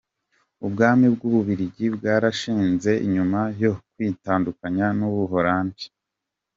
Ubwami bw’u Bubiligi bwarashinzwe nyuma yo kwitandukanya n’u Buholandi.